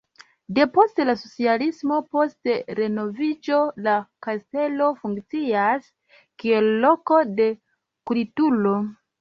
Depost la socialismo post renoviĝo la kastelo funkcias kiel loko de kulturo.